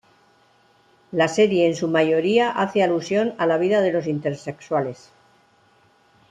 La serie en su mayoría hace alusión a la vida de los intersexuales.